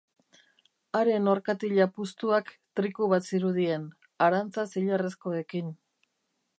Haren orkatila puztuak triku bat zirudien, arantza zilarrezkoekin.